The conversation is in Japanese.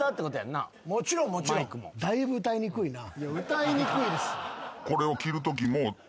歌いにくいです。